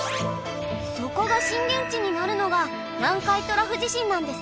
そこが震源地になるのが南海トラフ地震なんですね。